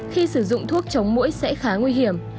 khi sử dụng thuốc chống mũi sẽ khá nguy hiểm